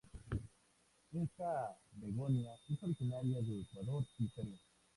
Esta "begonia" es originaria de Ecuador y Perú.